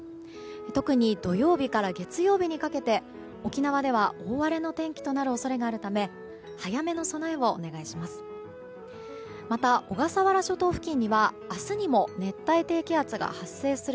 特に土曜日から月曜日にかけて沖縄では、大荒れの天気となる恐れがあるため早めの備えをお願いします。